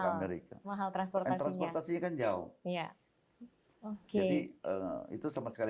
amerika jauh apain saya jual ke amerika mahal transportasinya kan jauh ya oke itu sama sekali